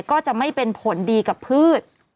ก็จะไม่เป็นผลดีกับพืช